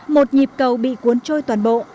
một nhịp cầu bị cuốn trôi toàn bộ